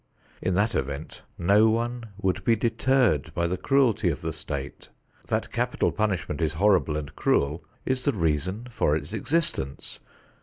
In that event no one would be deterred by the cruelty of the state. That capital punishment is horrible and cruel is the reason for its existence.